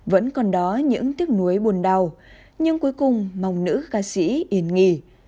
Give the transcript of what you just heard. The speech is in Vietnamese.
vẫn còn đó những tiếc nuối buồn đau nhưng cuối cùng mong nữ ca sĩ yên nghỉ